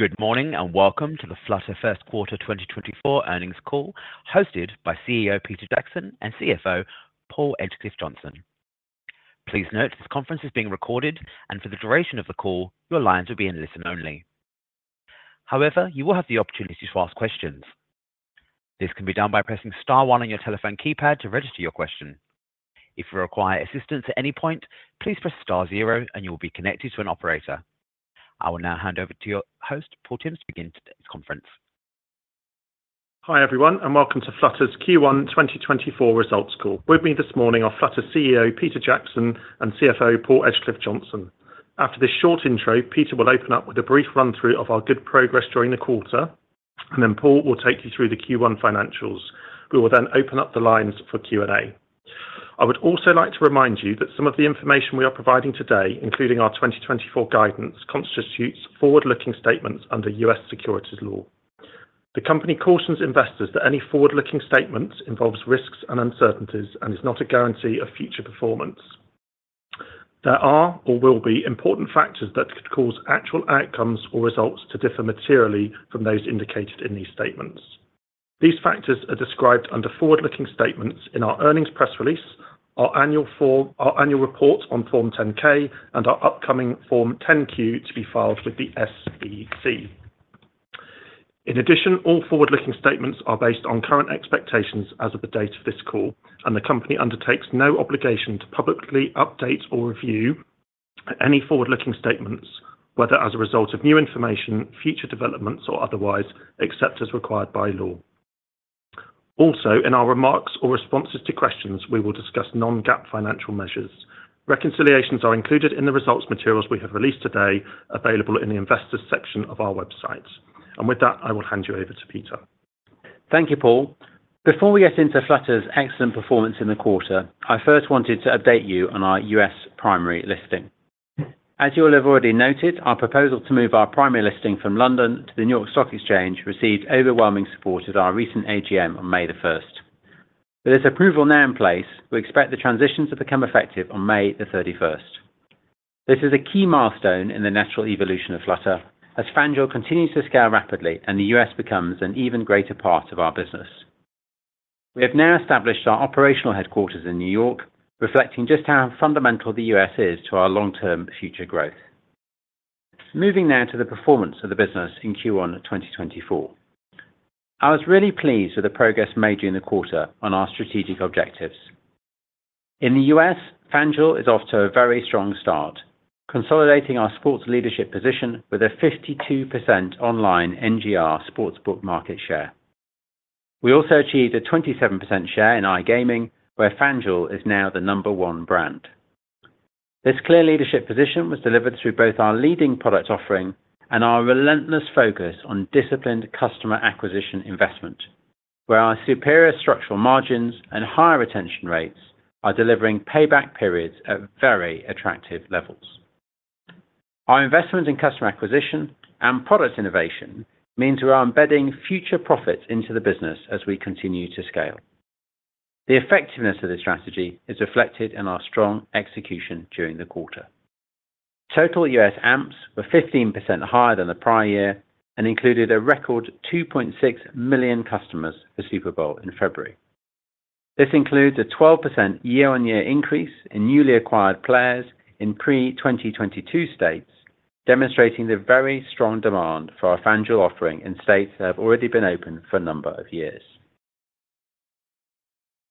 Good morning and welcome to the Flutter First Quarter 2024 Earnings Call hosted by CEO Peter Jackson and CFO Paul Edgecliffe-Johnson. Please note this conference is being recorded, and for the duration of the call your lines will be in listen only. However, you will have the opportunity to ask questions. This can be done by pressing star 1 on your telephone keypad to register your question. If you require assistance at any point, please press star 0 and you will be connected to an operator. I will now hand over to your host, Paul Tymms, to begin today's conference. Hi everyone, and welcome to Flutter's Q1 2024 results call. With me this morning are Flutter's CEO Peter Jackson and CFO Paul Edgecliffe-Johnson. After this short intro, Peter will open up with a brief run-through of our good progress during the quarter, and then Paul will take you through the Q1 financials. We will then open up the lines for Q&A. I would also like to remind you that some of the information we are providing today, including our 2024 guidance, constitutes forward-looking statements under U.S. securities law. The company cautions investors that any forward-looking statements involves risks and uncertainties and is not a guarantee of future performance. There are or will be important factors that could cause actual outcomes or results to differ materially from those indicated in these statements. These factors are described under forward-looking statements in our earnings press release, our annual report on Form 10-K, and our upcoming Form 10-Q to be filed with the SEC. In addition, all forward-looking statements are based on current expectations as of the date of this call, and the company undertakes no obligation to publicly update or review any forward-looking statements, whether as a result of new information, future developments, or otherwise, except as required by law. Also, in our remarks or responses to questions, we will discuss non-GAAP financial measures. Reconciliations are included in the results materials we have released today, available in the investors section of our website. With that, I will hand you over to Peter. Thank you, Paul. Before we get into Flutter's excellent performance in the quarter, I first wanted to update you on our U.S. primary listing. As you all have already noted, our proposal to move our primary listing from London to the New York Stock Exchange received overwhelming support at our recent AGM on May the 1st. With its approval now in place, we expect the transitions to become effective on May the 31st. This is a key milestone in the natural evolution of Flutter, as FanDuel continues to scale rapidly and the U.S. becomes an even greater part of our business. We have now established our operational headquarters in New York, reflecting just how fundamental the U.S. is to our long-term future growth. Moving now to the performance of the business in Q1 2024. I was really pleased with the progress made during the quarter on our strategic objectives. In the U.S., FanDuel is off to a very strong start, consolidating our sports leadership position with a 52% online NGR sportsbook market share. We also achieved a 27% share in iGaming, where FanDuel is now the number one brand. This clear leadership position was delivered through both our leading product offering and our relentless focus on disciplined customer acquisition investment, where our superior structural margins and higher retention rates are delivering payback periods at very attractive levels. Our investment in customer acquisition and product innovation means we are embedding future profits into the business as we continue to scale. The effectiveness of this strategy is reflected in our strong execution during the quarter. Total U.S. AMPs were 15% higher than the prior year and included a record 2.6 million customers for Super Bowl in February. This includes a 12% year-on-year increase in newly acquired players in pre-2022 states, demonstrating the very strong demand for our FanDuel offering in states that have already been open for a number of years.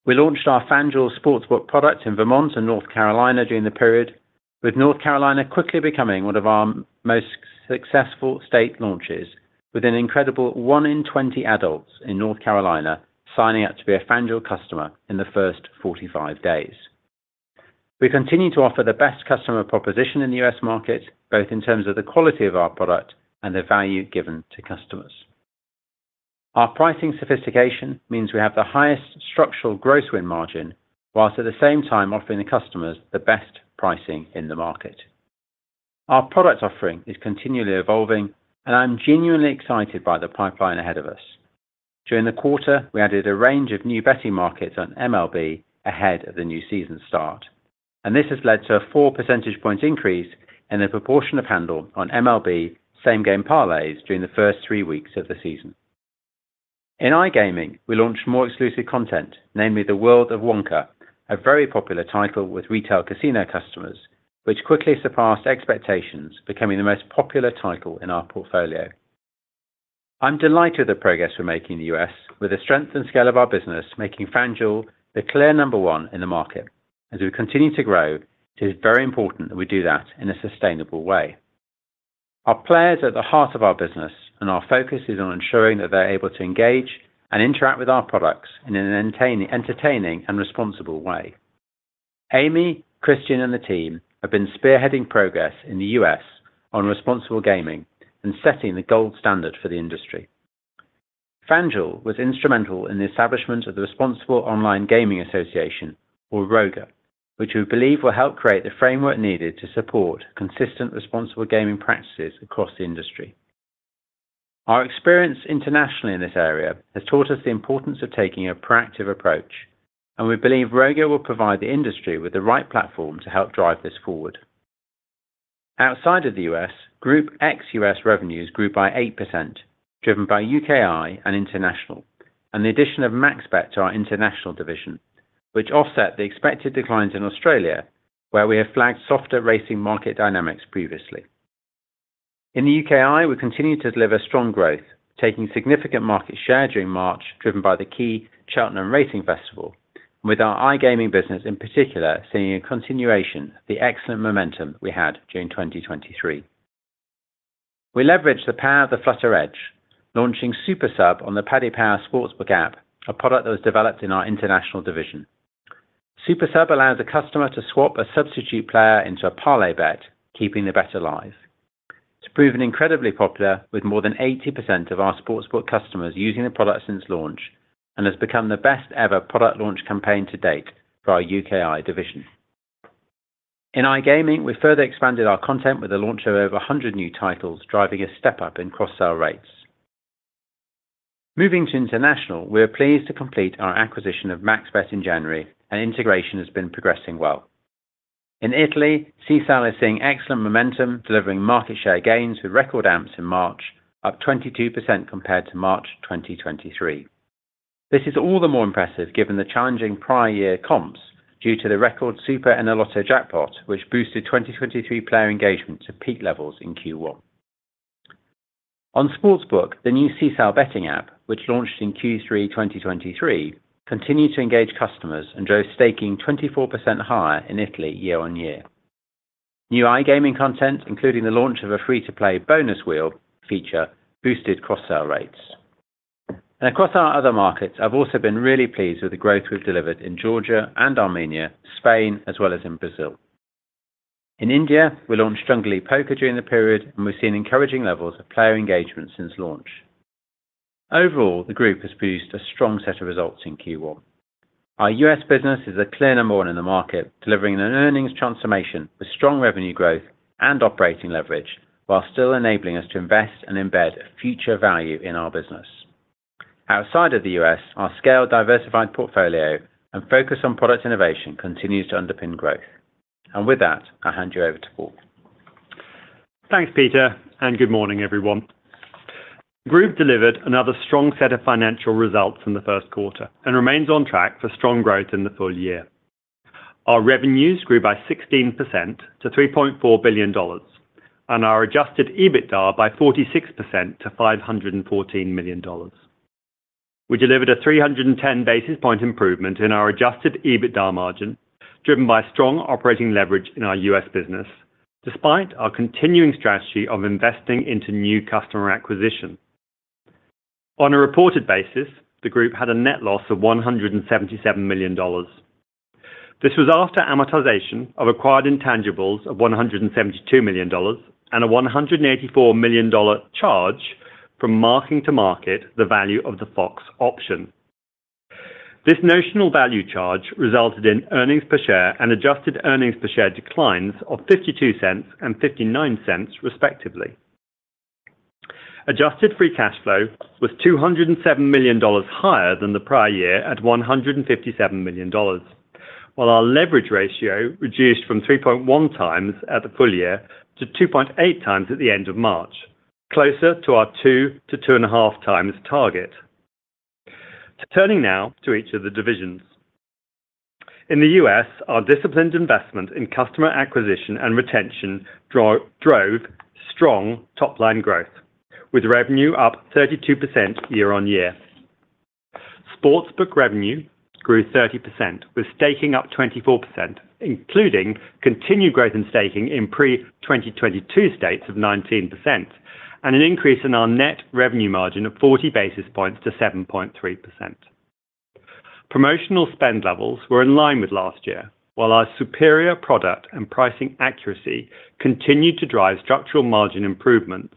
We launched our FanDuel sportsbook product in Vermont and North Carolina during the period, with North Carolina quickly becoming one of our most successful state launches, with an incredible 1 in 20 adults in North Carolina signing up to be a FanDuel customer in the first 45 days. We continue to offer the best customer proposition in the U.S. market, both in terms of the quality of our product and the value given to customers. Our pricing sophistication means we have the highest structural gross win margin, while at the same time offering the customers the best pricing in the market. Our product offering is continually evolving, and I'm genuinely excited by the pipeline ahead of us. During the quarter, we added a range of new betting markets on MLB ahead of the new season start, and this has led to a 4 percentage point increase in the proportion of handle on MLB same-game parlays during the first three weeks of the season. In iGaming, we launched more exclusive content, namely The World of Wonka, a very popular title with retail casino customers, which quickly surpassed expectations, becoming the most popular title in our portfolio. I'm delighted with the progress we're making in the U.S., with the strength and scale of our business making FanDuel the clear number one in the market. As we continue to grow, it is very important that we do that in a sustainable way. Our players are at the heart of our business, and our focus is on ensuring that they're able to engage and interact with our products in an entertaining and responsible way. Amy, Christian, and the team have been spearheading progress in the U.S. on responsible gaming and setting the gold standard for the industry. FanDuel was instrumental in the establishment of the Responsible Online Gaming Association, or ROGA, which we believe will help create the framework needed to support consistent responsible gaming practices across the industry. Our experience internationally in this area has taught us the importance of taking a proactive approach, and we believe ROGA will provide the industry with the right platform to help drive this forward. Outside of the US, Group ex-US revenues grew by 8%, driven by U.K.I and international, and the addition of MaxBet to our international division, which offset the expected declines in Australia, where we have flagged softer racing market dynamics previously. In the U.K.I, we continue to deliver strong growth, taking significant market share during March, driven by the key Cheltenham Racing Festival, and with our iGaming business in particular seeing a continuation of the excellent momentum we had during 2023. We leveraged the power of the Flutter Edge, launching SuperSub on the Paddy Power sportsbook app, a product that was developed in our international division. SuperSub allows a customer to swap a substitute player into a parlay bet, keeping the bettor live. It's proven incredibly popular, with more than 80% of our sportsbook customers using the product since launch, and has become the best-ever product launch campaign to date for our U.K.I division. In iGaming, we further expanded our content with the launch of over 100 new titles, driving a step up in cross-sell rates. Moving to international, we were pleased to complete our acquisition of MaxBet in January, and integration has been progressing well. In Italy, Sisal is seeing excellent momentum, delivering market share gains with record AMPs in March, up 22% compared to March 2023. This is all the more impressive given the challenging prior year comps due to the record SuperEnalotto jackpot, which boosted 2023 player engagement to peak levels in Q1. On sportsbook, the new Sisal betting app, which launched in Q3 2023, continued to engage customers and drove staking 24% higher in Italy year-on-year. New iGaming content, including the launch of a free-to-play Bonus Wheel feature, boosted cross-sell rates. Across our other markets, I've also been really pleased with the growth we've delivered in Georgia and Armenia, Spain, as well as in Brazil. In India, we launched Junglee Poker during the period, and we've seen encouraging levels of player engagement since launch. Overall, the group has produced a strong set of results in Q1. Our U.S. business is the clear number one in the market, delivering an earnings transformation with strong revenue growth and operating leverage, while still enabling us to invest and embed future value in our business. Outside of the U.S., our scaled, diversified portfolio and focus on product innovation continues to underpin growth. With that, I hand you over to Paul. Thanks, Peter, and good morning, everyone. The group delivered another strong set of financial results in the first quarter and remains on track for strong growth in the full year. Our revenues grew by 16% to $3.4 billion, and our adjusted EBITDA by 46% to $514 million. We delivered a 310 basis point improvement in our adjusted EBITDA margin, driven by strong operating leverage in our U.S. business, despite our continuing strategy of investing into new customer acquisition. On a reported basis, the group had a net loss of $177 million. This was after amortization of acquired intangibles of $172 million and a $184 million charge from marking to market the value of the FOX option. This notional value charge resulted in earnings per share and adjusted earnings per share declines of 52 cents and 59 cents, respectively. Adjusted Free Cash Flow was $207 million higher than the prior year at $157 million, while our leverage ratio reduced from 3.1 times at the full year to 2.8 times at the end of March, closer to our 2-2.5 times target. Turning now to each of the divisions. In the U.S., our disciplined investment in customer acquisition and retention drove strong top-line growth, with revenue up 32% year-on-year. sportsbook revenue grew 30%, with staking up 24%, including continued growth in staking in pre-2022 states of 19% and an increase in our net revenue margin of 40 basis points to 7.3%. Promotional spend levels were in line with last year, while our superior product and pricing accuracy continued to drive structural margin improvements,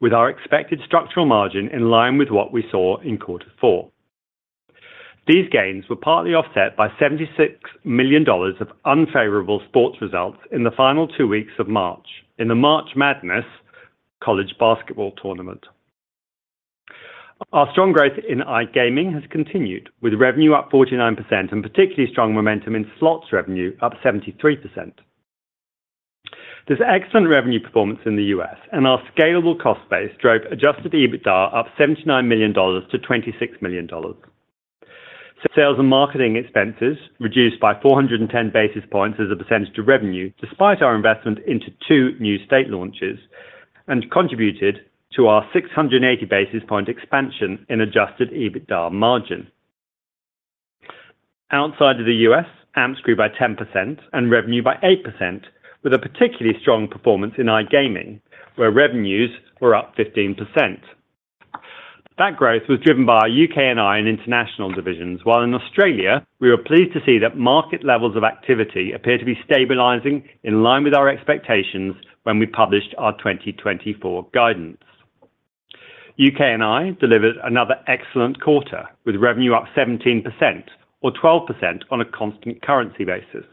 with our expected structural margin in line with what we saw in quarter four. These gains were partly offset by $76 million of unfavorable sports results in the final two weeks of March in the March Madness college basketball tournament. Our strong growth in iGaming has continued, with revenue up 49% and particularly strong momentum in slots revenue up 73%. There's excellent revenue performance in the U.S., and our scalable cost base drove Adjusted EBITDA up $79 million to $26 million. Sales and marketing expenses reduced by 410 basis points as a percentage of revenue, despite our investment into two new state launches, and contributed to our 680 basis point expansion in Adjusted EBITDA margin. Outside of the U.S., AMPs grew by 10% and revenue by 8%, with a particularly strong performance in iGaming, where revenues were up 15%. That growth was driven by our U.K.I and international divisions, while in Australia, we were pleased to see that market levels of activity appeared to be stabilizing in line with our expectations when we published our 2024 guidance. U.K.I delivered another excellent quarter, with revenue up 17% or 12% on a constant currency basis.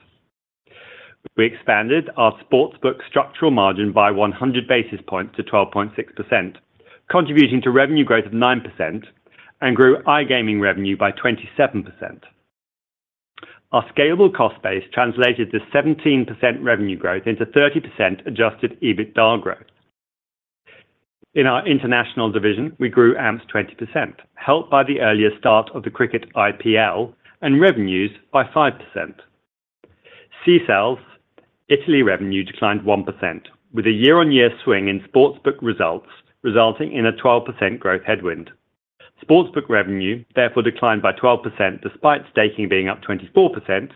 We expanded our sportsbook structural margin by 100 basis points to 12.6%, contributing to revenue growth of 9% and grew iGaming revenue by 27%. Our scalable cost base translated the 17% revenue growth into 30% adjusted EBITDA growth. In our international division, we grew AMPs 20%, helped by the earlier start of the cricket IPL and revenues by 5%. Sisal's Italy revenue declined 1%, with a year-on-year swing in sportsbook results resulting in a 12% growth headwind. sportsbook revenue, therefore, declined by 12% despite staking being up 24%,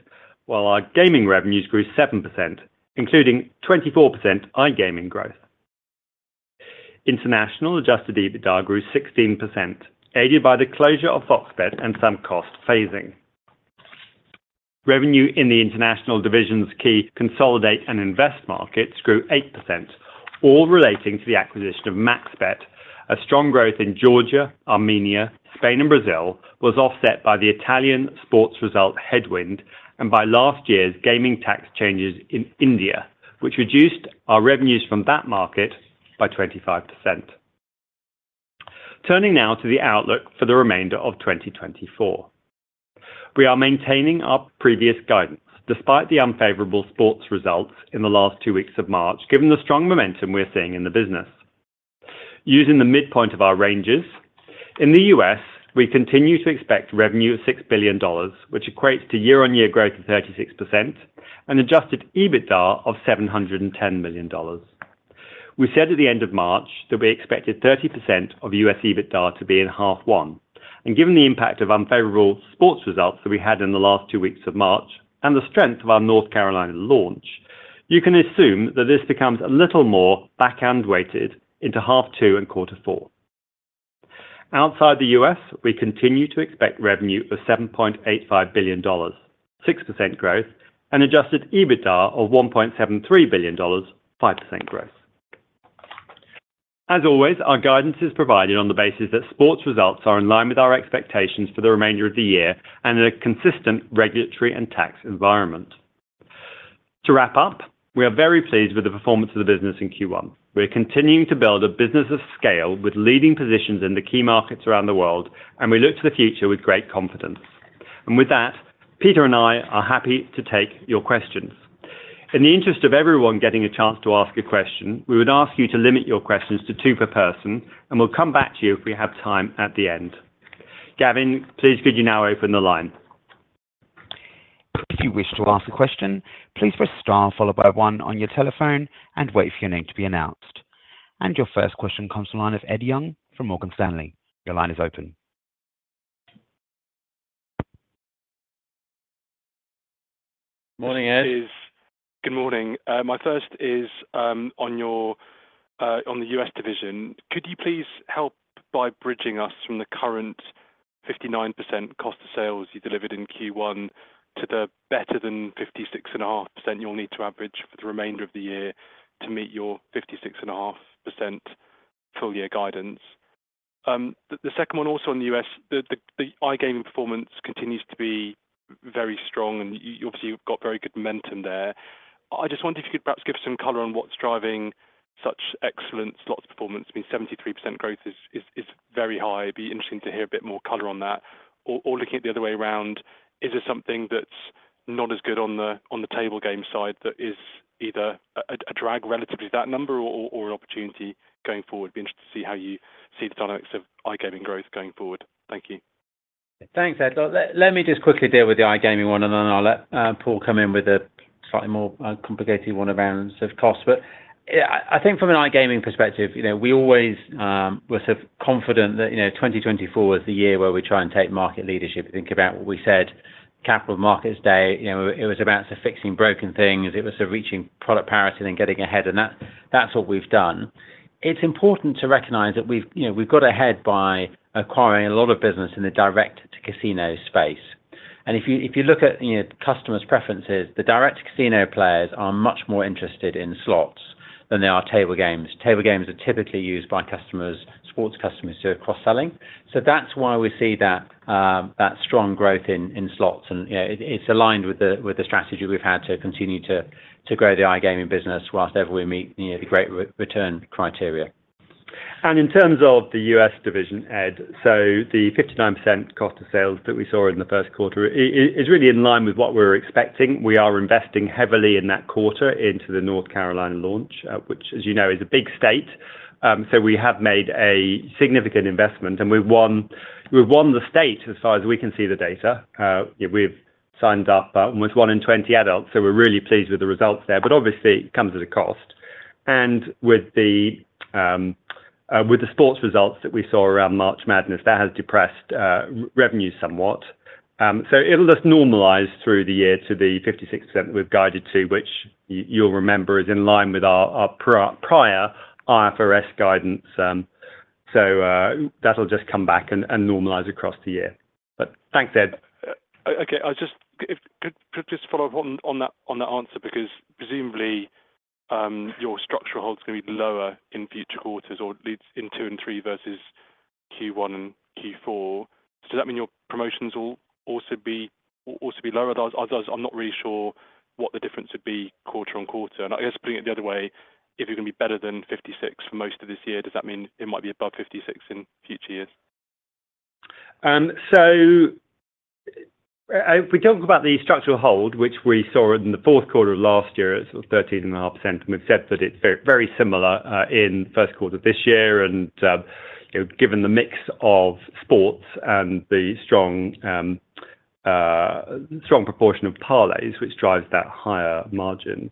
while our gaming revenues grew 7%, including 24% iGaming growth. International adjusted EBITDA grew 16%, aided by the closure of FOX Bet and some cost phasing. Revenue in the international division's key consolidate and invest markets grew 8%, all relating to the acquisition of MaxBet. A strong growth in Georgia, Armenia, Spain, and Brazil was offset by the Italian sports result headwind and by last year's gaming tax changes in India, which reduced our revenues from that market by 25%. Turning now to the outlook for the remainder of 2024. We are maintaining our previous guidance despite the unfavorable sports results in the last two weeks of March, given the strong momentum we're seeing in the business. Using the midpoint of our ranges, in the US, we continue to expect revenue of $6 billion, which equates to year-on-year growth of 36%, and adjusted EBITDA of $710 million. We said at the end of March that we expected 30% of US EBITDA to be in half one. Given the impact of unfavorable sports results that we had in the last two weeks of March and the strength of our North Carolina launch, you can assume that this becomes a little more back-end weighted into half two and quarter four. Outside the U.S., we continue to expect revenue of $7.85 billion, 6% growth, and adjusted EBITDA of $1.73 billion, 5% growth. As always, our guidance is provided on the basis that sports results are in line with our expectations for the remainder of the year and in a consistent regulatory and tax environment. To wrap up, we are very pleased with the performance of the business in Q1. We are continuing to build a business of scale with leading positions in the key markets around the world, and we look to the future with great confidence. And with that, Peter and I are happy to take your questions. In the interest of everyone getting a chance to ask a question, we would ask you to limit your questions to two per person, and we'll come back to you if we have time at the end. Gavin, please, could you now open the line? If you wish to ask a question, please press star followed by one on your telephone and wait for your name to be announced. Your first question comes to the line of Ed Young from Morgan Stanley. Your line is open. Morning, Ed. Good morning. My first is on the U.S. division. Could you please help by bridging us from the current 59% cost of sales you delivered in Q1 to the better than 56.5% you'll need to average for the remainder of the year to meet your 56.5% full year guidance? The second one also in the U.S., the iGaming performance continues to be very strong, and you obviously got very good momentum there. I just wondered if you could perhaps give some color on what's driving such excellent slots performance. I mean, 73% growth is very high. It'd be interesting to hear a bit more color on that. Or looking at the other way around, is there something that's not as good on the table game side that is either a drag relative to that number or an opportunity going forward? It'd be interesting to see how you see the dynamics of iGaming growth going forward. Thank you. Thanks, Ed. Let me just quickly deal with the iGaming one, and then I'll let Paul come in with a slightly more complicated one around sort of cost. But I think from an iGaming perspective, we always were sort of confident that 2024 was the year where we try and take market leadership, think about what we said, Capital Markets Day. It was about fixing broken things. It was reaching product parity and then getting ahead. And that's what we've done. It's important to recognize that we've got ahead by acquiring a lot of business in the direct-to-casino space. And if you look at customers' preferences, the direct-to-casino players are much more interested in slots than they are table games. Table games are typically used by sports customers to do cross-selling. So that's why we see that strong growth in slots. It's aligned with the strategy we've had to continue to grow the iGaming business whilst ever we meet the great return criteria. In terms of the US division, Ed, so the 59% cost of sales that we saw in the first quarter is really in line with what we were expecting. We are investing heavily in that quarter into the North Carolina launch, which, as you know, is a big state. We have made a significant investment, and we've won the state as far as we can see the data. We've signed up 200,000 adults. We're really pleased with the results there. Obviously, it comes at a cost. With the sports results that we saw around March Madness, that has depressed revenues somewhat. It'll just normalize through the year to the 56% that we've guided to, which you'll remember is in line with our prior IFRS guidance. That'll just come back and normalize across the year. Thanks, Ed. Okay. Could I just follow up on that answer? Because presumably, your structural holds are going to be lower in future quarters or at least in 2 and 3 versus Q1 and Q4. Does that mean your promotions will also be lower? I'm not really sure what the difference would be quarter-on-quarter. And I guess putting it the other way, if you're going to be better than 56 for most of this year, does that mean it might be above 56 in future years? So if we talk about the structural hold, which we saw in the fourth quarter of last year, it's sort of 13.5%. And we've said that it's very similar in the first quarter this year. And given the mix of sports and the strong proportion of parlays, which drives that higher margin,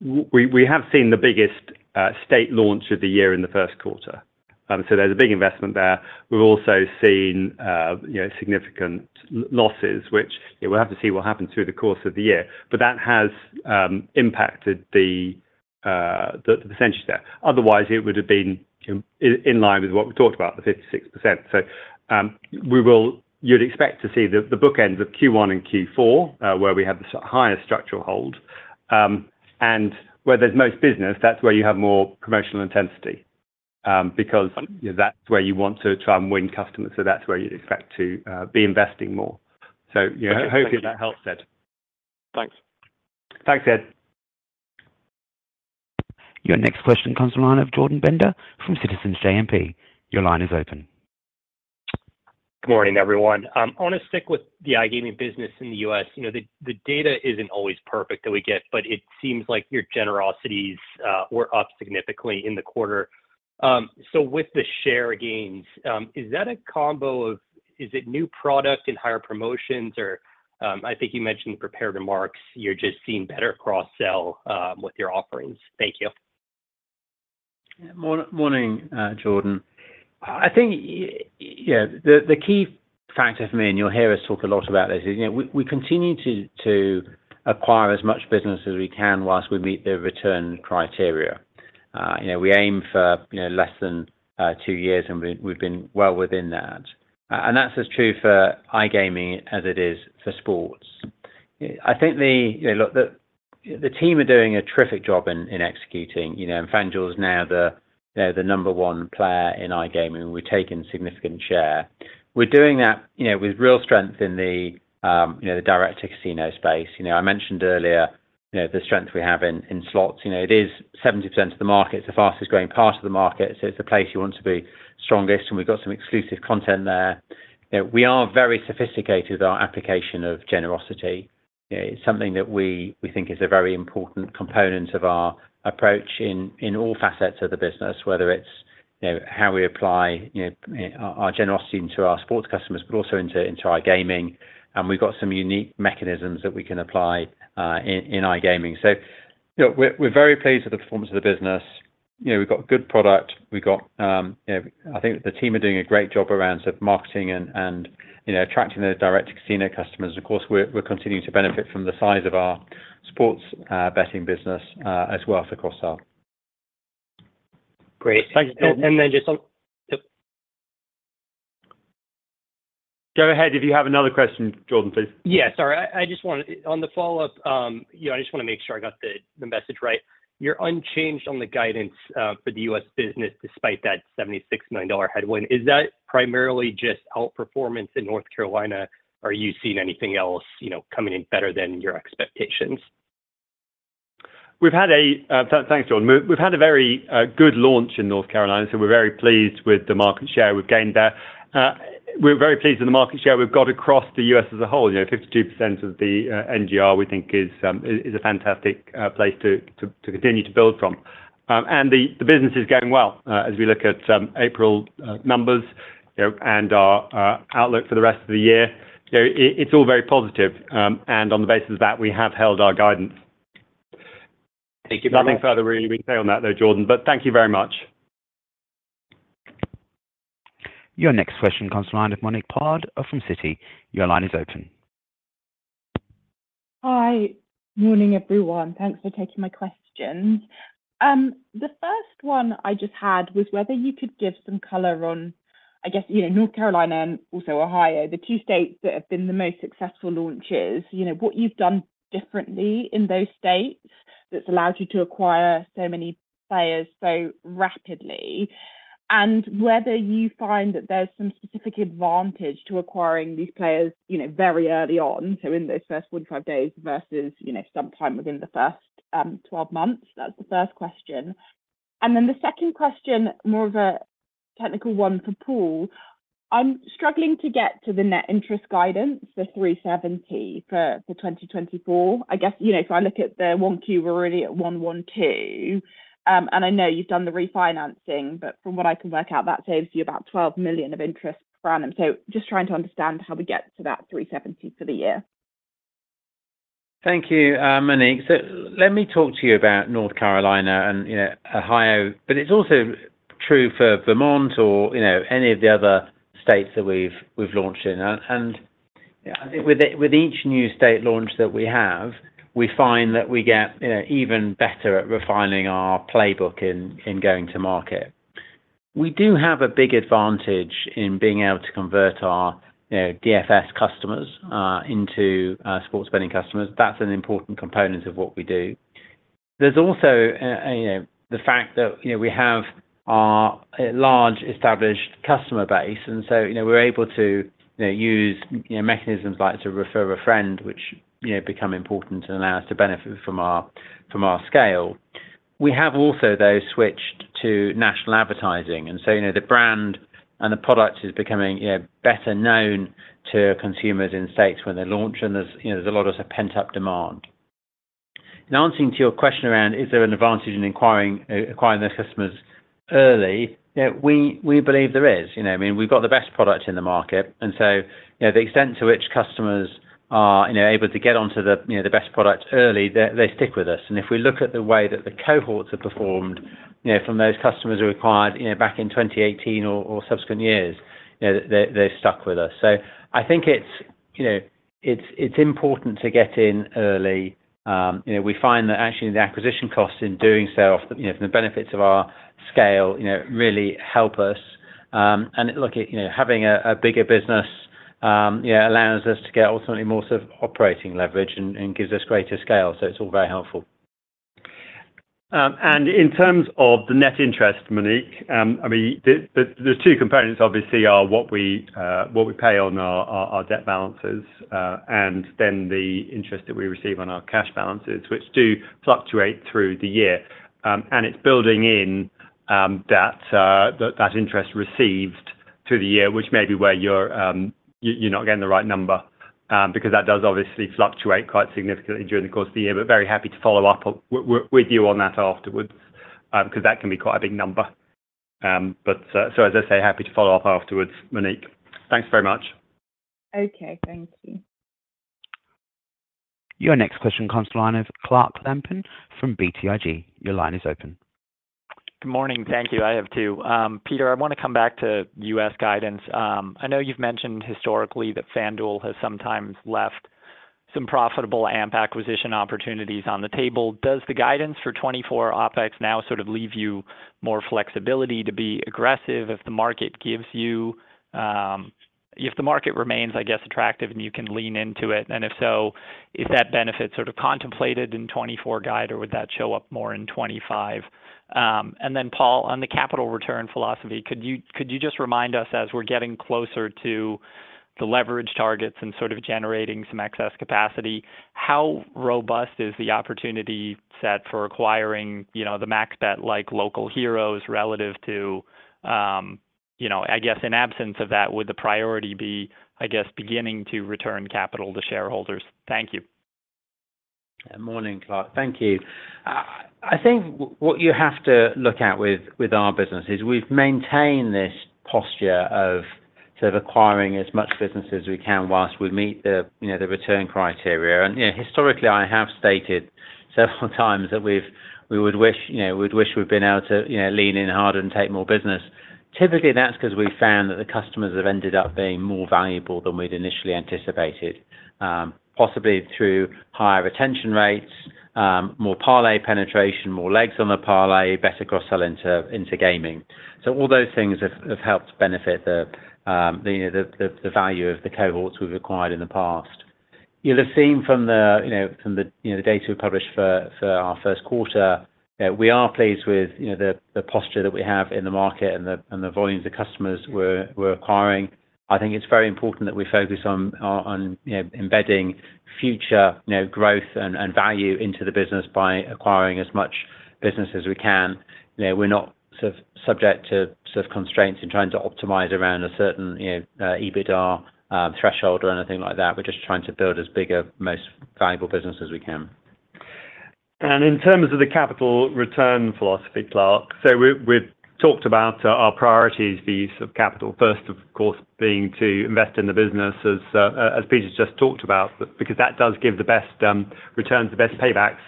we have seen the biggest state launch of the year in the first quarter. So there's a big investment there. We've also seen significant losses, which we'll have to see what happens through the course of the year. But that has impacted the percentage there. Otherwise, it would have been in line with what we talked about, the 56%. So you'd expect to see the bookends of Q1 and Q4 where we have the highest structural hold. Where there's most business, that's where you have more promotional intensity because that's where you want to try and win customers. That's where you'd expect to be investing more. Hopefully, that helps, Ed. Thanks. Thanks, Ed. Your next question comes to the line of Jordan Bender from Citizens JMP. Your line is open. Good morning, everyone. I want to stick with the iGaming business in the U.S. The data isn't always perfect that we get, but it seems like your geographies were up significantly in the quarter. So with the share gains, is that a combo of, is it new product and higher promotions? Or I think you mentioned the prepared remarks. You're just seeing better cross-sell with your offerings. Thank you. Morning, Jordan. I think the key factor for me, and you'll hear us talk a lot about this, is we continue to acquire as much business as we can whilst we meet the return criteria. We aim for less than two years, and we've been well within that. And that's as true for iGaming as it is for sports. I think, look, the team are doing a terrific job in executing. And FanDuel is now the number one player in iGaming. We've taken significant share. We're doing that with real strength in the direct-to-casino space. I mentioned earlier the strength we have in slots. It is 70% of the market, it's the fastest-growing part of the market, so it's the place you want to be strongest, and we've got some exclusive content there. We are very sophisticated with our application of generosity. It's something that we think is a very important component of our approach in all facets of the business, whether it's how we apply our generosity to our sports customers, but also into our gaming. We've got some unique mechanisms that we can apply in iGaming. We're very pleased with the performance of the business. We've got good product. I think the team are doing a great job around sort of marketing and attracting the direct-to-casino customers. Of course, we're continuing to benefit from the size of our sports betting business as well for cross-sell. Great. Thanks, Bill. And then just go ahead if you have another question, Jordan, please. Yeah, sorry. I just want to on the follow-up, I just want to make sure I got the message right. You're unchanged on the guidance for the U.S. business despite that $76 million headwind. Is that primarily just outperformance in North Carolina, or are you seeing anything else coming in better than your expectations? Thanks, Jordan. We've had a very good launch in North Carolina, so we're very pleased with the market share we've gained there. We're very pleased with the market share we've got across the U.S. as a whole. 52% of the NGR we think is a fantastic place to continue to build from. And the business is going well. As we look at April numbers and our outlook for the rest of the year, it's all very positive. And on the basis of that, we have held our guidance. Thank you, Bill. Nothing further really we can say on that, though, Jordan. But thank you very much. Your next question comes to the line of Monique Pollard from Citi. Your line is open. Hi. Morning, everyone. Thanks for taking my questions. The first one I just had was whether you could give some color on, I guess, North Carolina and also Ohio, the two states that have been the most successful launches, what you've done differently in those states that's allowed you to acquire so many players so rapidly, and whether you find that there's some specific advantage to acquiring these players very early on, so in those first 45 days versus sometime within the first 12 months. That's the first question. And then the second question, more of a technical one for Paul, I'm struggling to get to the net interest guidance, the $370, for 2024. I guess if I look at the Q1, we're already at $112. And I know you've done the refinancing, but from what I can work out, that saves you about $12 million of interest per annum. So just trying to understand how we get to that $370 million for the year. Thank you, Monique. So let me talk to you about North Carolina and Ohio. But it's also true for Vermont or any of the other states that we've launched in. And I think with each new state launch that we have, we find that we get even better at refining our playbook in going to market. We do have a big advantage in being able to convert our DFS customers into sports betting customers. That's an important component of what we do. There's also the fact that we have our large established customer base. And so we're able to use mechanisms like to refer a friend, which become important and allow us to benefit from our scale. We have also, though, switched to national advertising. The brand and the product is becoming better known to consumers in states when they launch, and there's a lot of sort of pent-up demand. In answering to your question around is there an advantage in acquiring those customers early, we believe there is. I mean, we've got the best product in the market. The extent to which customers are able to get onto the best product early, they stick with us. If we look at the way that the cohorts have performed from those customers who acquired back in 2018 or subsequent years, they've stuck with us. I think it's important to get in early. We find that, actually, the acquisition costs in doing so from the benefits of our scale really help us. Look, having a bigger business allows us to get ultimately more sort of operating leverage and gives us greater scale. It's all very helpful. In terms of the net interest, Monique, I mean, the two components obviously are what we pay on our debt balances and then the interest that we receive on our cash balances, which do fluctuate through the year. It's building in that interest received through the year, which may be where you're not getting the right number because that does obviously fluctuate quite significantly during the course of the year. But very happy to follow up with you on that afterwards because that can be quite a big number. But so, as I say, happy to follow up afterwards, Monique. Thanks very much. Okay. Thank you. Your next question comes to the line of Clark Lampen from BTIG. Your line is open. Good morning. Thank you. I have too. Peter, I want to come back to U.S. guidance. I know you've mentioned historically that FanDuel has sometimes left some profitable AMPs acquisition opportunities on the table. Does the guidance for 2024 OpEx now sort of leave you more flexibility to be aggressive if the market gives you if the market remains, I guess, attractive and you can lean into it? And if so, is that benefit sort of contemplated in 2024 guidance, or would that show up more in 2025? And then, Paul, on the capital return philosophy, could you just remind us, as we're getting closer to the leverage targets and sort of generating some excess capacity, how robust is the opportunity set for acquiring the MaxBet-like local heroes relative to, I guess, in absence of that, would the priority be, I guess, beginning to return capital to shareholders? Thank you. Morning, Clark. Thank you. I think what you have to look at with our business is we've maintained this posture of sort of acquiring as much business as we can while we meet the return criteria. Historically, I have stated several times that we would wish we'd been able to lean in harder and take more business. Typically, that's because we found that the customers have ended up being more valuable than we'd initially anticipated, possibly through higher retention rates, more parlay penetration, more legs on the parlay, better cross-sell into gaming. All those things have helped benefit the value of the cohorts we've acquired in the past. You'll have seen from the data we published for our first quarter, we are pleased with the posture that we have in the market and the volumes of customers we're acquiring. I think it's very important that we focus on embedding future growth and value into the business by acquiring as much business as we can. We're not sort of subject to sort of constraints in trying to optimize around a certain EBITDA threshold or anything like that. We're just trying to build as big a most valuable business as we can. And in terms of the capital return philosophy, Clark, so we've talked about our priorities for use of capital, first, of course, being to invest in the business, as Peter's just talked about, because that does give the best returns, the best paybacks.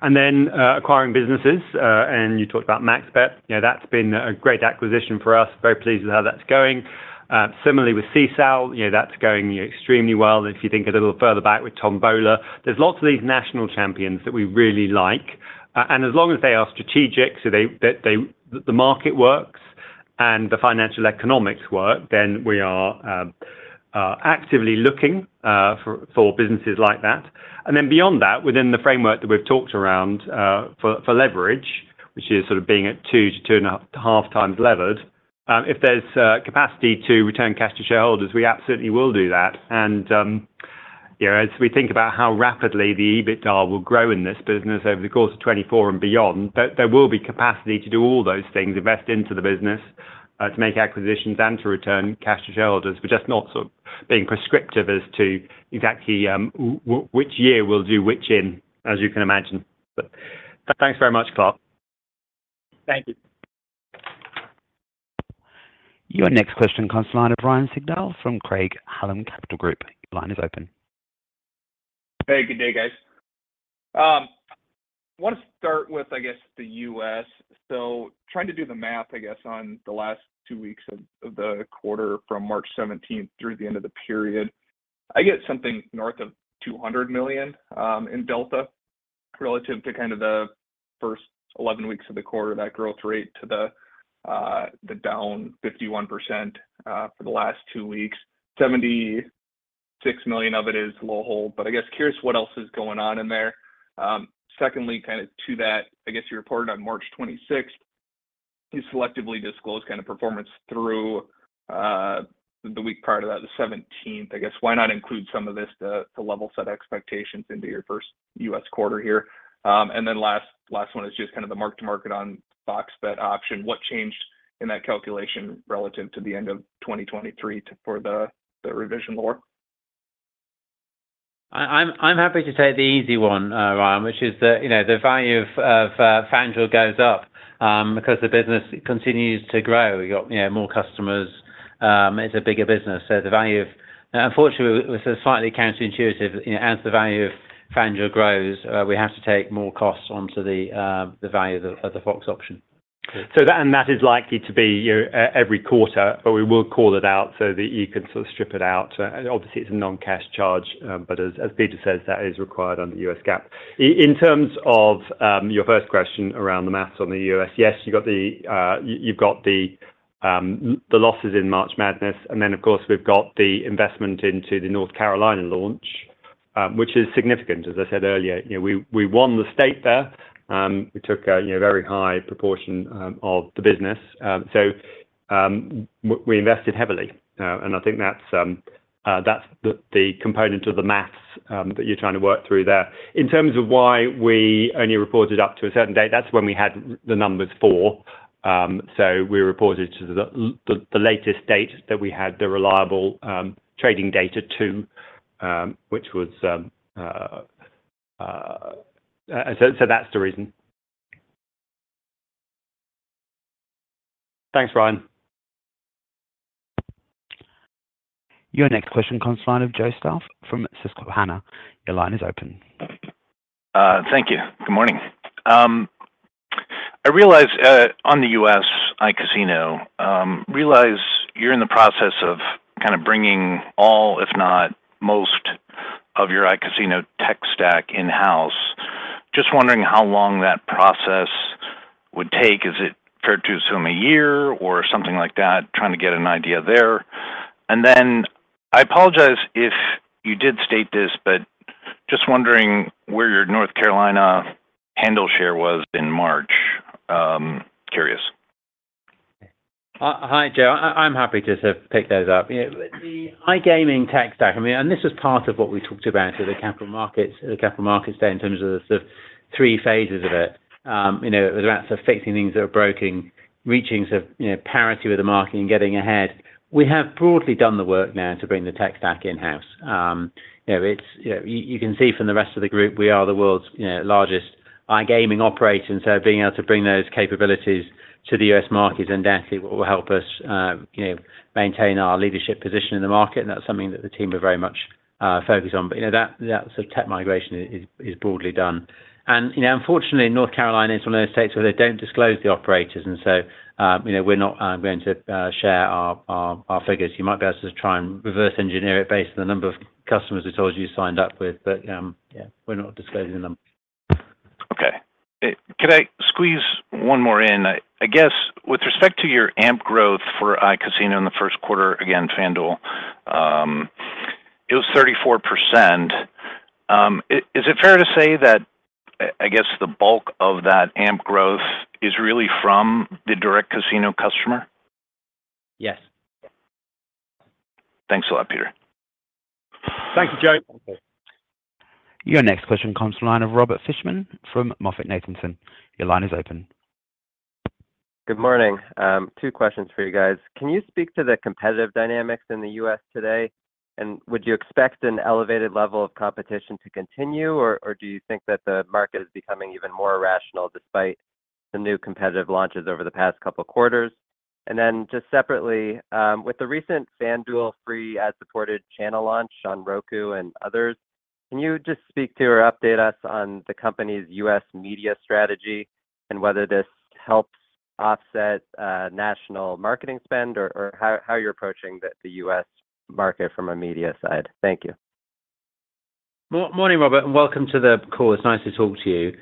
And then acquiring businesses, and you talked about MaxBet. That's been a great acquisition for us. Very pleased with how that's going. Similarly, with Sisal, that's going extremely well. And if you think a little further back with Tombola, there's lots of these national champions that we really like. And as long as they are strategic, so the market works and the financial economics work, then we are actively looking for businesses like that. And then beyond that, within the framework that we've talked around for leverage, which is sort of being at 2-2.5 times levered, if there's capacity to return cash to shareholders, we absolutely will do that. And as we think about how rapidly the EBITDA will grow in this business over the course of 2024 and beyond, there will be capacity to do all those things, invest into the business to make acquisitions and to return cash to shareholders. We're just not sort of being prescriptive as to exactly which year will do which in, as you can imagine. But thanks very much, Clark. Thank you. Your next question comes to the line of Ryan Sigdahl from Craig-Hallum Capital Group. Your line is open. Good day, guys. I want to start with, I guess, the US. So trying to do the math, I guess, on the last two weeks of the quarter, from March 17th through the end of the period, I get something north of $200 million in delta relative to kind of the first 11 weeks of the quarter, that growth rate to the down 51% for the last two weeks. $76 million of it is low hold. But I guess curious what else is going on in there. Secondly, kind of to that, I guess you reported on March 26th, you selectively disclose kind of performance through the week prior to that, the 17th, I guess. Why not include some of this to level set expectations into your first US quarter here? And then last one is just kind of the mark-to-market on FOX Bet option. What changed in that calculation relative to the end of 2023 for the revision lower? I'm happy to take the easy one, Ryan, which is that the value of FanDuel goes up because the business continues to grow. You've got more customers. It's a bigger business. So the value of, unfortunately, it was so slightly counterintuitive. As the value of FanDuel grows, we have to take more costs onto the value of the Fox option. And that is likely to be every quarter, but we will call it out so that you can sort of strip it out. Obviously, it's a non-cash charge, but as Peter says, that is required under U.S. GAAP. In terms of your first question around the math on the U.S., yes, you've got the losses in March Madness. And then, of course, we've got the investment into the North Carolina launch, which is significant. As I said earlier, we won the state there. We took a very high proportion of the business. So we invested heavily. And I think that's the component of the math that you're trying to work through there. In terms of why we only reported up to a certain date, that's when we had the numbers four. So we reported to the latest date that we had the reliable trading data, too, which was so that's the reason. Thanks, Ryan. Your next question comes to the line of Joe Stauff from Susquehanna. Your line is open. Thank you. Good morning. I realize on the US iCasino, realize you're in the process of kind of bringing all, if not most, of your iCasino tech stack in-house. Just wondering how long that process would take. Is it fair to assume a year or something like that, trying to get an idea there? And then I apologize if you did state this, but just wondering where your North Carolina handle share was in March. Curious. Hi, Joe. I'm happy to sort of pick those up. The iGaming tech stack, I mean, and this was part of what we talked about at the capital markets day in terms of the sort of three phases of it. It was about sort of fixing things that were broken, reaching sort of parity with the market, and getting ahead. We have broadly done the work now to bring the tech stack in-house. You can see from the rest of the group, we are the world's largest iGaming operator. And so being able to bring those capabilities to the U.S. market is undoubtedly what will help us maintain our leadership position in the market. And that's something that the team are very much focused on. But that sort of tech migration is broadly done. And unfortunately, North Carolina is one of those states where they don't disclose the operators. So we're not going to share our figures. You might be able to sort of try and reverse-engineer it based on the number of customers we told you signed up with. Yeah, we're not disclosing the number. Okay. Can I squeeze one more in? I guess with respect to your AMP growth for iCasino in the first quarter, again, FanDuel, it was 34%. Is it fair to say that, I guess, the bulk of that AMP growth is really from the direct casino customer? Yes. Thanks a lot, Peter. Thank you, Joe. Your next question comes to the line of Robert Fishman from MoffettNathanson. Your line is open. Good morning. Two questions for you guys. Can you speak to the competitive dynamics in the U.S. today? And would you expect an elevated level of competition to continue? Or do you think that the market is becoming even more irrational despite the new competitive launches over the past couple of quarters? And then just separately, with the recent FanDuel free ad-supported channel launch on Roku and others, can you just speak to or update us on the company's U.S. media strategy and whether this helps offset national marketing spend or how you're approaching the U.S. market from a media side? Thank you. Morning, Robert, and welcome to the call. It's nice to talk to you.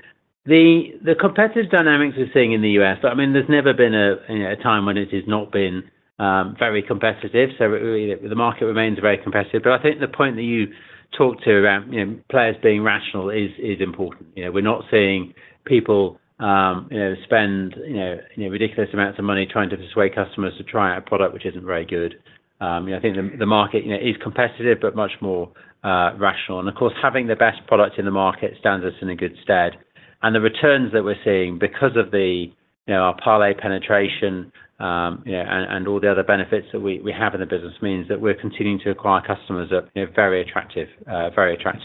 The competitive dynamics we're seeing in the U.S., I mean, there's never been a time when it has not been very competitive. So the market remains very competitive. But I think the point that you talked to around players being rational is important. We're not seeing people spend ridiculous amounts of money trying to persuade customers to try out a product which isn't very good. I think the market is competitive but much more rational. And of course, having the best product in the market stands us in a good stead. And the returns that we're seeing because of our parlay penetration and all the other benefits that we have in the business means that we're continuing to acquire customers at very attractive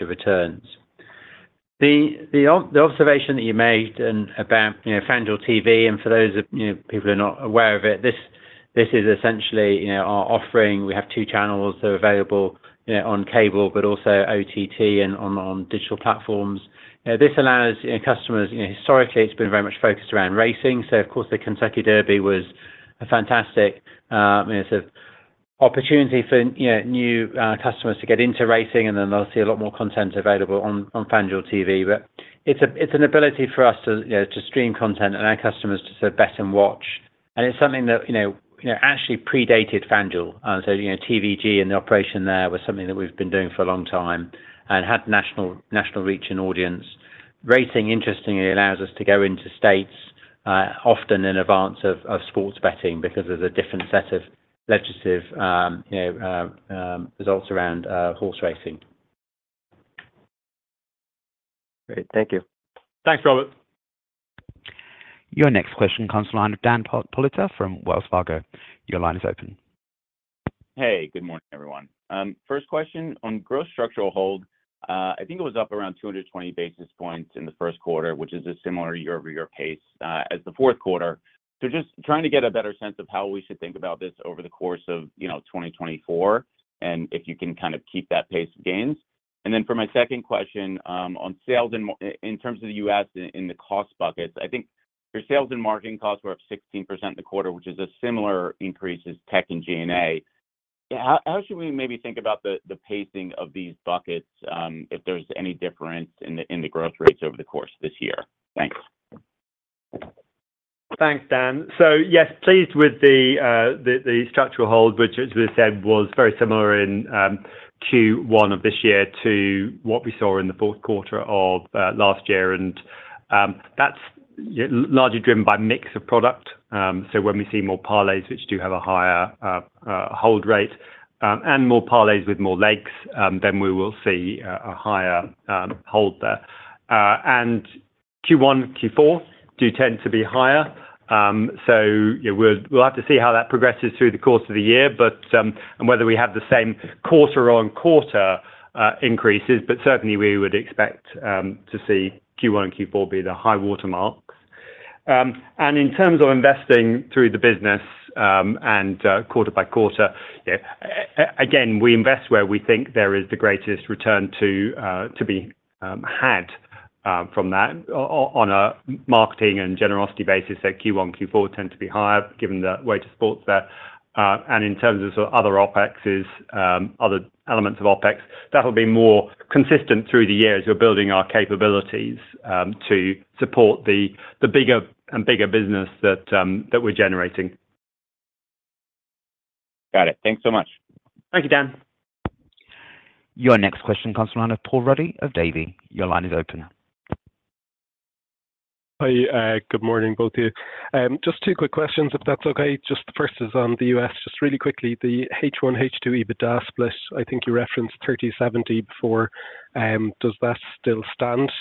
returns. The observation that you made about FanDuel TV, and for those people who are not aware of it, this is essentially our offering. We have two channels that are available on cable but also OTT and on digital platforms. This allows customers historically, it's been very much focused around racing. So of course, the Kentucky Derby was a fantastic sort of opportunity for new customers to get into racing. And then they'll see a lot more content available on FanDuel TV. But it's an ability for us to stream content and our customers to sort of bet and watch. And it's something that actually predated FanDuel. So TVG and the operation there was something that we've been doing for a long time and had national reach and audience. Racing, interestingly, allows us to go into states often in advance of sports betting because there's a different set of legislative results around horse racing. Great. Thank you. Thanks, Robert. Your next question comes to the line of Dan Politzer from Wells Fargo. Your line is open. Hey. Good morning, everyone. First question on growth structural hold. I think it was up around 220 basis points in the first quarter, which is a similar year-over-year pace as the fourth quarter. So just trying to get a better sense of how we should think about this over the course of 2024 and if you can kind of keep that pace of gains. And then for my second question on sales in terms of the U.S. and in the cost buckets, I think your sales and marketing costs were up 16% in the quarter, which is a similar increase as tech and G&A. How should we maybe think about the pacing of these buckets if there's any difference in the growth rates over the course of this year? Thanks. Thanks, Dan. So yes, pleased with the structural hold, which, as we said, was very similar in Q1 of this year to what we saw in the fourth quarter of last year. And that's largely driven by mix of product. So when we see more parlays, which do have a higher hold rate, and more parlays with more legs, then we will see a higher hold there. And Q1, Q4 do tend to be higher. So we'll have to see how that progresses through the course of the year and whether we have the same quarter-on-quarter increases. But certainly, we would expect to see Q1 and Q4 be the high watermarks. And in terms of investing through the business and quarter by quarter, again, we invest where we think there is the greatest return to be had from that on a marketing and generosity basis. So Q1, Q4 tend to be higher given the weight of sports there. In terms of sort of other OpExs, other elements of OpEx, that'll be more consistent through the year as we're building our capabilities to support the bigger and bigger business that we're generating. Got it. Thanks so much. Thank you, Dan. Your next question comes to the line of Paul Ruddy of Davy. Your line is open. Hi. Good morning, both of you. Just two quick questions, if that's okay. Just the first is on the U.S. Just really quickly, the H1H2 EBITDA split, I think you referenced 30/70 before. Does that still stand?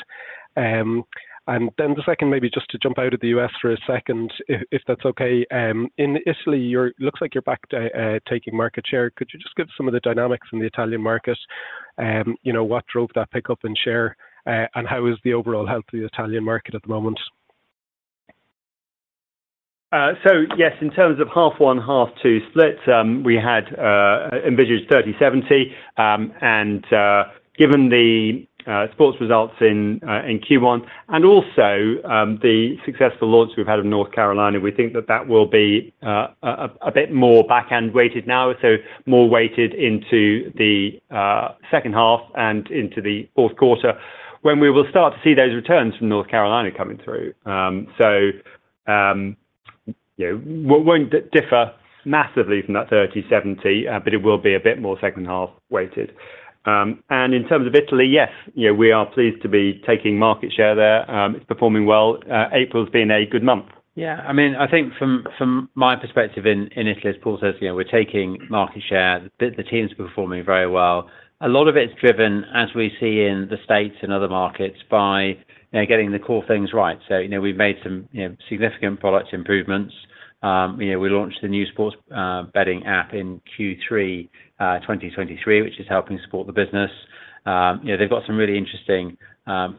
And then the second, maybe just to jump out of the U.S. for a second, if that's okay. In Italy, it looks like you're back taking market share. Could you just give some of the dynamics in the Italian market? What drove that pickup in share? And how is the overall health of the Italian market at the moment? So yes, in terms of half-one, half-two split, we had envisaged 30/70. And given the sports results in Q1 and also the successful launch we've had of North Carolina, we think that that will be a bit more back-end weighted now, so more weighted into the second half and into the fourth quarter when we will start to see those returns from North Carolina coming through. So it won't differ massively from that 30/70, but it will be a bit more second-half weighted. And in terms of Italy, yes, we are pleased to be taking market share there. It's performing well. April's been a good month. Yeah. I mean, I think from my perspective in Italy, as Paul says, we're taking market share. The teams are performing very well. A lot of it's driven, as we see in the states and other markets, by getting the core things right. So we've made some significant product improvements. We launched the new sports betting app in Q3 2023, which is helping support the business. They've got some really interesting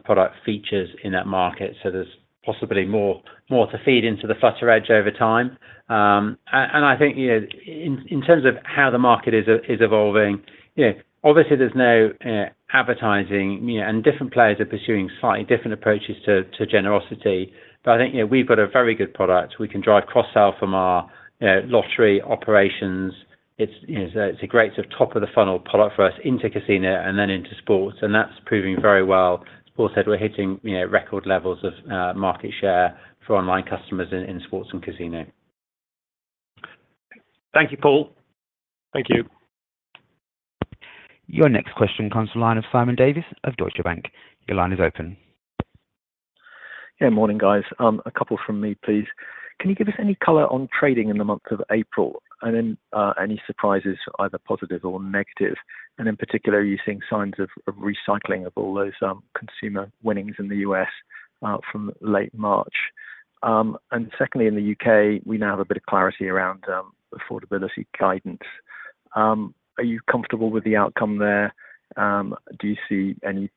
product features in that market. So there's possibly more to feed into the Flutter edge over time. And I think in terms of how the market is evolving, obviously, there's no advertising, and different players are pursuing slightly different approaches to generosity. But I think we've got a very good product. We can drive cross-sale from our lottery operations. It's a great sort of top-of-the-funnel product for us into casino and then into sports. And that's proving very well. Paul said we're hitting record levels of market share for online customers in sports and casino. Thank you, Paul. Thank you. Your next question comes to the line of Simon Davies of Deutsche Bank. Your line is open. Yeah. Morning, guys. A couple from me, please. Can you give us any color on trading in the month of April and then any surprises, either positive or negative? And in particular, are you seeing signs of recycling of all those consumer winnings in the US from late March? And secondly, in the U.K., we now have a bit of clarity around affordability guidance. Are you comfortable with the outcome there? Do you see any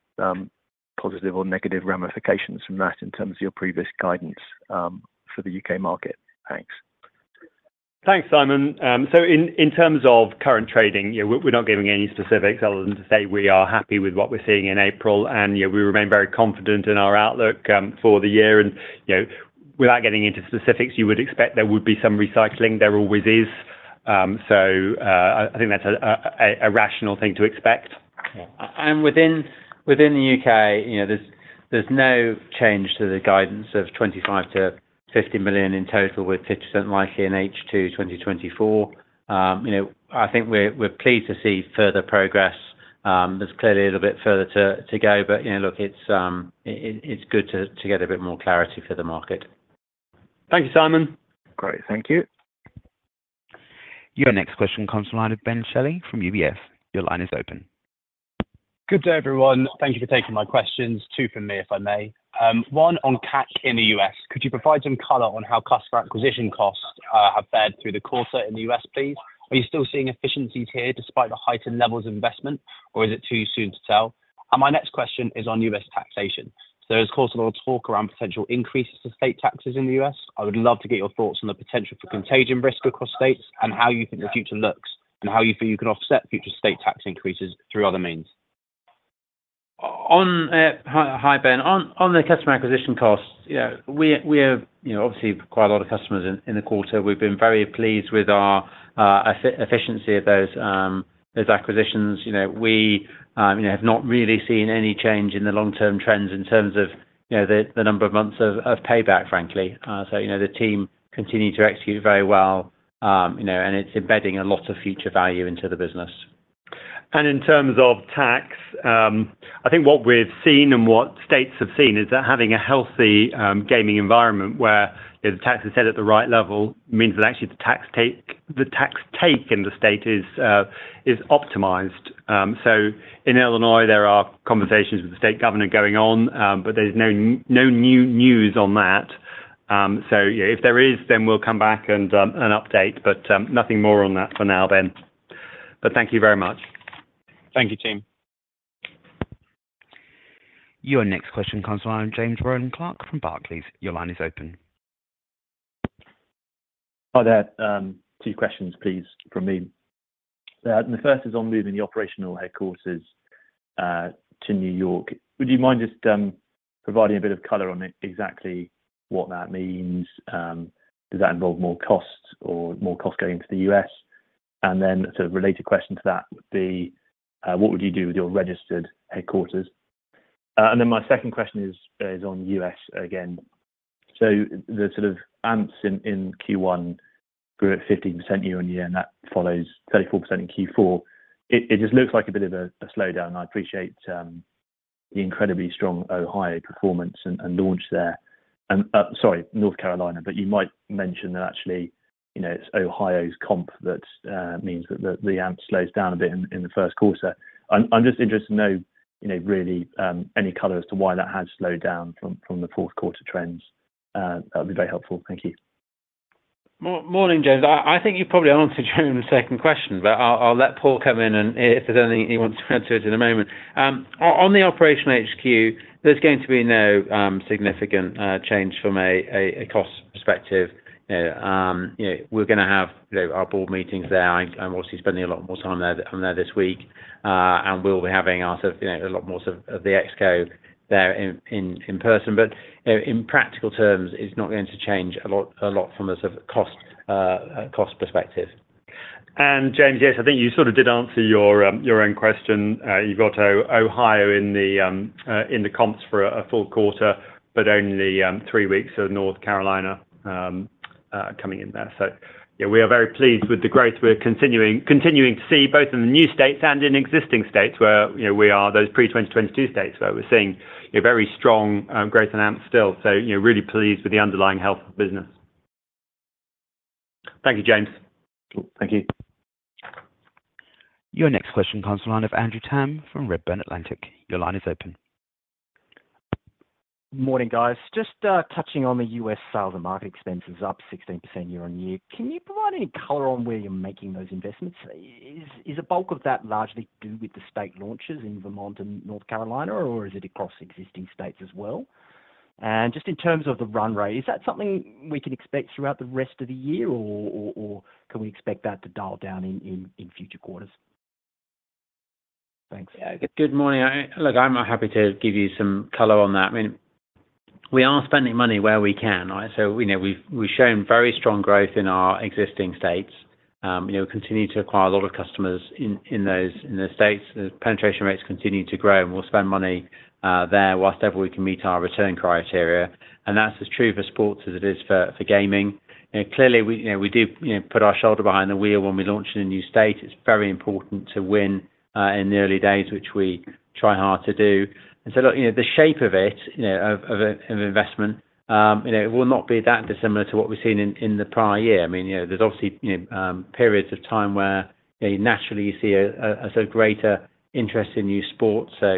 positive or negative ramifications from that in terms of your previous guidance for the U.K. market? Thanks. Thanks, Simon. So in terms of current trading, we're not giving any specifics other than to say we are happy with what we're seeing in April. We remain very confident in our outlook for the year. Without getting into specifics, you would expect there would be some recycling. There always is. So I think that's a rational thing to expect. Yeah. Within the U.K., there's no change to the guidance of $25 million-$50 million in total with 50% likely in H2 2024. I think we're pleased to see further progress. There's clearly a little bit further to go. But look, it's good to get a bit more clarity for the market. Thank you, Simon. Great. Thank you. Your next question comes to the line of Ben Shelley from UBS. Your line is open. Good day, everyone. Thank you for taking my questions. Two from me, if I may. One on CAC in the U.S. Could you provide some color on how customer acquisition costs have fared through the quarter in the U.S., please? Are you still seeing efficiencies here despite the heightened levels of investment, or is it too soon to tell? My next question is on U.S. taxation. There's, of course, a lot of talk around potential increases to state taxes in the U.S. I would love to get your thoughts on the potential for contagion risk across states and how you think the future looks and how you feel you can offset future state tax increases through other means. Hi, Ben. On the customer acquisition costs, we have obviously quite a lot of customers in the quarter. We've been very pleased with our efficiency of those acquisitions. We have not really seen any change in the long-term trends in terms of the number of months of payback, frankly. The team continue to execute very well. It's embedding a lot of future value into the business. In terms of tax, I think what we've seen and what states have seen is that having a healthy gaming environment where the tax is set at the right level means that actually the tax take in the state is optimized. In Illinois, there are conversations with the state governor going on, but there's no new news on that. If there is, then we'll come back and update. Nothing more on that for now, Ben. Thank you very much. Thank you, team. Your next question comes to the line of James Rowland Clark from Barclays. Your line is open. I've had two questions, please, from me. And the first is on moving the operational headquarters to New York. Would you mind just providing a bit of color on exactly what that means? Does that involve more costs or more costs going into the US? And then a sort of related question to that would be, what would you do with your registered headquarters? And then my second question is on US again. So the sort of AMPS in Q1 grew at 15% year-over-year, and that follows 34% in Q4. It just looks like a bit of a slowdown. I appreciate the incredibly strong Ohio performance and launch there. Sorry, North Carolina. But you might mention that actually it's Ohio's comp that means that the AMPS slows down a bit in the first quarter. I'm just interested to know really any color as to why that has slowed down from the fourth quarter trends. That would be very helpful. Thank you. Morning, James. I think you've probably answered James's second question, but I'll let Paul come in if there's anything he wants to add to it in a moment. On the operational HQ, there's going to be no significant change from a cost perspective. We're going to have our board meetings there. I'm obviously spending a lot more time there. I'm there this week. And we'll be having our sort of a lot more of the ExCo there in person. But in practical terms, it's not going to change a lot from a sort of cost perspective. James, yes, I think you sort of did answer your own question. You've got Ohio in the comps for a full quarter, but only three weeks of North Carolina coming in there. So we are very pleased with the growth we're continuing to see both in the new states and in existing states where we are those pre-2022 states where we're seeing very strong growth in AMPS still. So really pleased with the underlying health of business. Thank you, James. Cool. Thank you. Your next question comes to the line of Andrew Tam from Redburn Atlantic. Your line is open. Morning, guys. Just touching on the U.S. sales and marketing expenses up 16% year-over-year. Can you provide any color on where you're making those investments? Is a bulk of that largely due to the state launches in Vermont and North Carolina, or is it across existing states as well? And just in terms of the runway, is that something we can expect throughout the rest of the year, or can we expect that to dial down in future quarters? Thanks. Yeah. Good morning. Look, I'm happy to give you some color on that. I mean, we are spending money where we can, right? So we've shown very strong growth in our existing states. We continue to acquire a lot of customers in those states. The penetration rates continue to grow. And we'll spend money there whilstever we can meet our return criteria. And that's as true for sports as it is for gaming. Clearly, we do put our shoulder behind the wheel when we launch in a new state. It's very important to win in the early days, which we try hard to do. And so look, the shape of it, of investment, it will not be that dissimilar to what we've seen in the prior year. I mean, there's obviously periods of time where naturally, you see a sort of greater interest in new sports, so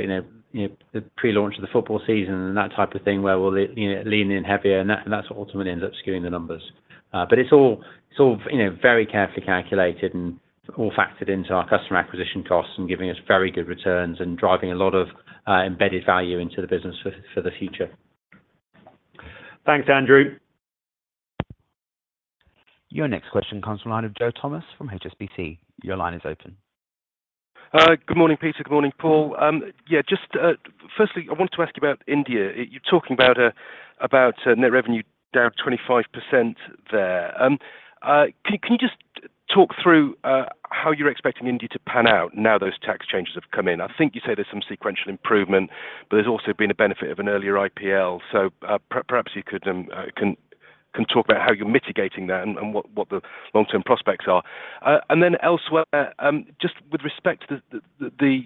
the pre-launch of the football season and that type of thing where we'll lean in heavier. That's what ultimately ends up skewing the numbers. It's all very carefully calculated and all factored into our customer acquisition costs and giving us very good returns and driving a lot of embedded value into the business for the future. Thanks, Andrew. Your next question comes to the line of Joe Thomas from HSBC. Your line is open. Good morning, Peter. Good morning, Paul. Yeah. Firstly, I wanted to ask you about India. You're talking about net revenue down 25% there. Can you just talk through how you're expecting India to pan out now those tax changes have come in? I think you say there's some sequential improvement, but there's also been a benefit of an earlier IPL. So perhaps you can talk about how you're mitigating that and what the long-term prospects are. And then elsewhere, just with respect to the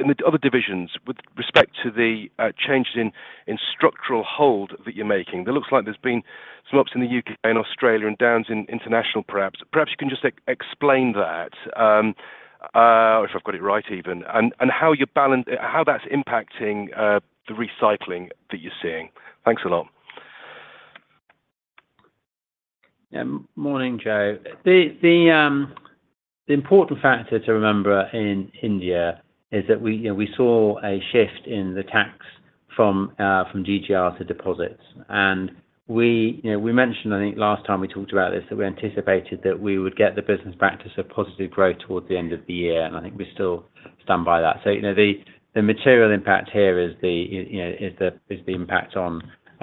in the other divisions, with respect to the changes in structural hold that you're making, there looks like there's been some ups in the U.K. and Australia and downs in international, perhaps. Perhaps you can just explain that, if I've got it right even, and how that's impacting the recycling that you're seeing? Thanks a lot. Yeah. Morning, Joe. The important factor to remember in India is that we saw a shift in the tax from GGR to deposits. We mentioned, I think, last time we talked about this, that we anticipated that we would get the business back to sort of positive growth towards the end of the year. I think we still stand by that. The material impact here is the impact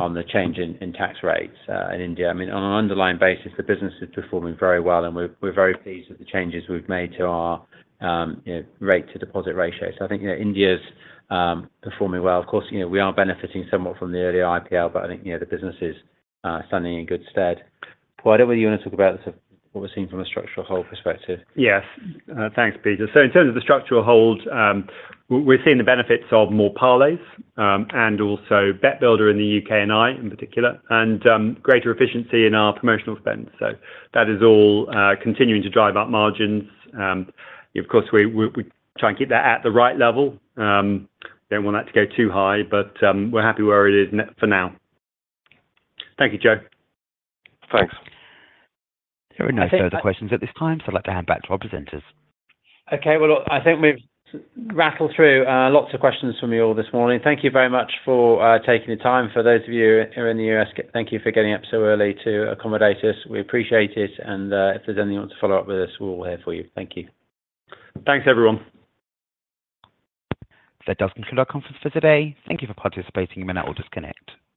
on the change in tax rates in India. I mean, on an underlying basis, the business is performing very well. We're very pleased with the changes we've made to our rate-to-deposit ratio. I think India's performing well. Of course, we are benefiting somewhat from the earlier IPL, but I think the business is standing in good stead. Paul, I don't know whether you want to talk about sort of what we're seeing from a structural hold perspective. Yes. Thanks, Peter. So in terms of the structural hold, we're seeing the benefits of more parlays and also Bet Builder in the U.K. and Ireland in particular and greater efficiency in our promotional spend. So that is all continuing to drive up margins. Of course, we try and keep that at the right level. We don't want that to go too high, but we're happy where it is for now. Thank you, Joe. Thanks. There are no further questions at this time, so I'd like to hand back to our presenters. Okay. Well, look, I think we've rattled through lots of questions from you all this morning. Thank you very much for taking the time. For those of you who are in the U.S., thank you for getting up so early to accommodate us. We appreciate it. And if there's anyone who wants to follow up with us, we're all here for you. Thank you. Thanks, everyone. That does conclude our conference for today. Thank you for participating. In a minute, I'll disconnect.